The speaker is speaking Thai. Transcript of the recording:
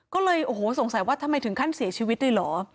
ก็เลยโอ้โหสงสัยว่าทำไมถึงขั้นเสียชีวิตเลยเหรอ